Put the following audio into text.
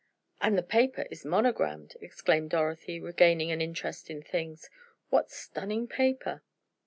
"And the paper is monogramed," exclaimed Dorothy, regaining an interest in things. "What stunning paper!"